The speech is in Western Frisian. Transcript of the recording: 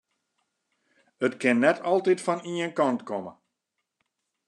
It kin net altyd fan ien kant komme.